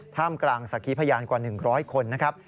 ท่ามกลางสักขีพยานกว่า๑๐๐คนนะครับ